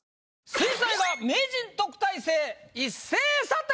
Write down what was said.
「水彩画名人・特待生一斉査定」！